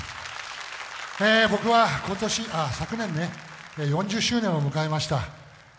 僕は昨年、４０周年を迎えました。